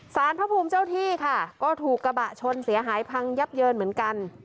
สารพระภูมิเจ้าที่ค่ะก็ถูกกระบะชนเสียหายพังยับเยินเหมือนกัน